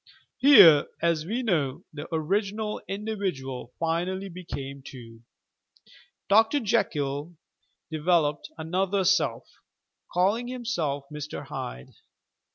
Here, as we know, the original individual finally became two. Dr. Jekyll developed another self, calling himself Mr. Hyde.